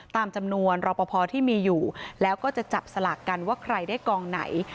ตามจำนวนรอปภที่มีอยู่แล้วก็จะจับสลากกันว่าใครได้กองไหน